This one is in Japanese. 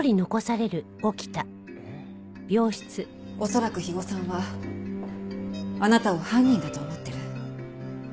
恐らく肥後さんはあなたを犯人だと思ってる。